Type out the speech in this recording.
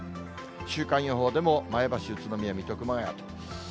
週間予報にも、前橋、宇都宮、水戸、熊谷と。